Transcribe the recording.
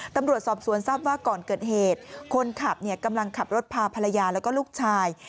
ตำรวจสอบสวนทราบว่าก่อนเกิดเหตุคนขับกำลังขับรถพาภรรยาแล้วก็ลูกชาย